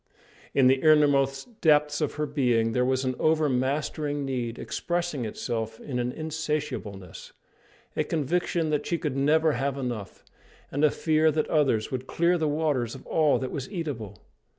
In the innermost depths of her being there was an over mastering need, expressing itself in an insatiableness, a conviction that she could never have enough, and a fear that others would clear the waters of all that was eatable.